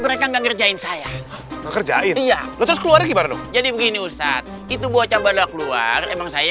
mereka ngerjain saya ngerjain iya lu terus keluar jadi begini ustadz itu buat coba keluar emang saya